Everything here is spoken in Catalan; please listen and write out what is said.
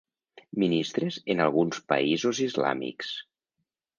Ministres en alguns països islàmics.